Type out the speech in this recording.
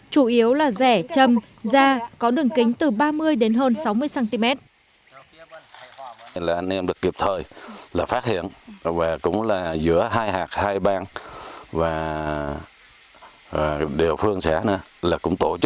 chủ yếu là rẻ châm da có đường kính từ ba mươi đến hơn sáu mươi cm